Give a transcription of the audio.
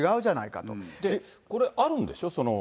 これ、これ、あるんでしょ？